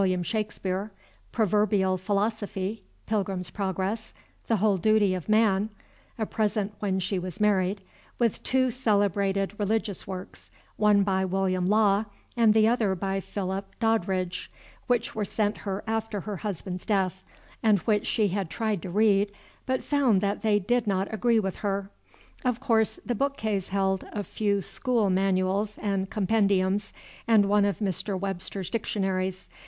Shakespeare; "Proverbial Philosophy;" "Pilgrim's Progress;" "The Whole Duty of Man" (a present when she was married); with two celebrated religious works, one by William Law and the other by Philip Doddridge, which were sent her after her husband's death, and which she had tried to read, but found that they did not agree with her. Of course the bookcase held a few school manuals and compendiums, and one of Mr. Webster's Dictionaries.